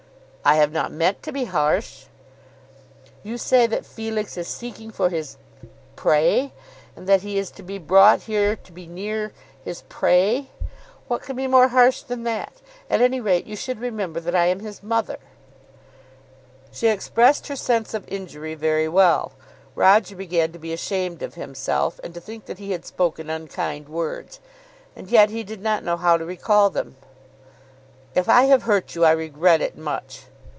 "I have not meant to be harsh." "You say that Felix is seeking for his prey, and that he is to be brought here to be near his prey. What can be more harsh than that? At any rate, you should remember that I am his mother." [Illustration: "You should remember that I am his mother."] She expressed her sense of injury very well. Roger began to be ashamed of himself, and to think that he had spoken unkind words. And yet he did not know how to recall them. "If I have hurt you, I regret it much."